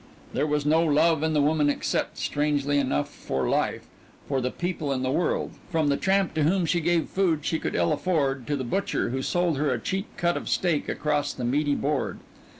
There was no love in the woman except, strangely enough, for life, for the people in the world, from the tramp to whom she gave food she could ill afford to the butcher who sold her a cheap cut of steak across the meaty board.